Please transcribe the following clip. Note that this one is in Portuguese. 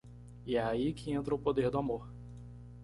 E é aí que entra o poder do amor.